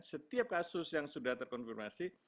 setiap kasus yang sudah terkonfirmasi